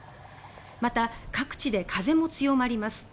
また、各地で風も強まります。